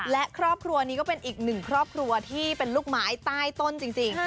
และครอบครัวนี้ก็เป็นอีกหนึ่งครอบครัวที่เป็นลูกไม้ใต้ต้นจริง